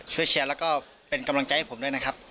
เชียร์แล้วก็เป็นกำลังใจให้ผมด้วยนะครับ